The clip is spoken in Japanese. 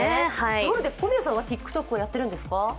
ところで、小宮さんはＴｉｋＴｏｋはやっているんですか？